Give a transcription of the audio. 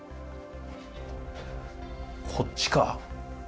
こっちか。